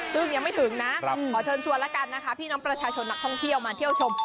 ซึ่งยังไม่ถึงนะขอเชิญชวนแล้วกันนะคะพี่น้องประชาชนนักท่องเที่ยวมาเที่ยวชม